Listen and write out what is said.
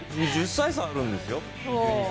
１０歳差あるんですよ。